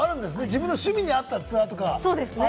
自分の趣味に合ったツアーとか。